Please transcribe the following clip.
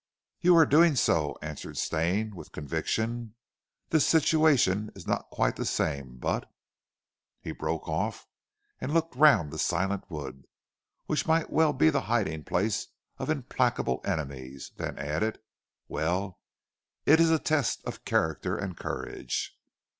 "You are doing so," answered Stane with conviction. "This situation is not quite the same, but " He broke off and looked round the silent woods, which might well be the hiding place of implacable enemies, then added: "Well, it is a test of character and courage!"